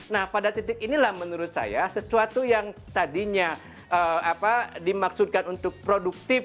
nah pada titik inilah menurut saya sesuatu yang tadinya dimaksudkan untuk produktif